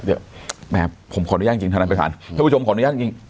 เดี๋ยวแม่ผมขออนุญาตจริงท่านผู้ชมขออนุญาตจริง